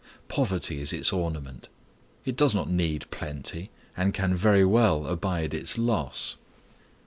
Poverty is its ornament. It does not need plenty, and can very well abide its loss.